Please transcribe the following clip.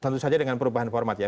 tentu saja dengan perubahan format ya